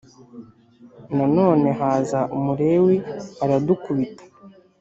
Nanone haza Umulewi aradukubita